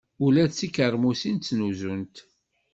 Ula d tikermusin ttnuzunt!